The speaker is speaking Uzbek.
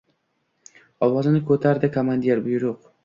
ovozini ko‘tardi komandir. — Buyruq!